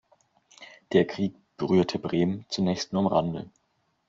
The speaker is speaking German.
Der Krieg berührte Bremen zunächst nur am Rande.